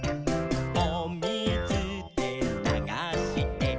「おみずでながして」